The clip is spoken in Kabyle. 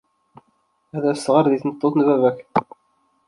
Ad as-teɣred i tmeṭṭut n baba-k.